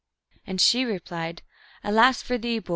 43 And she replied, " Alas for thee, boy